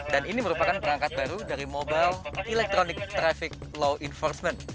dan ini merupakan perangkat baru dari mobile electronic traffic law enforcement